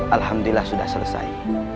alhamdulillah sudah selesai